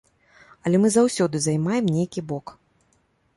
Але мы заўсёды займаем нейкі бок.